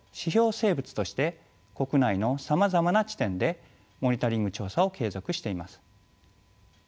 生物として国内のさまざまな地点でモニタリング調査を継続しています。